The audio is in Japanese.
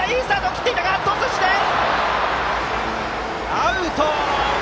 アウト！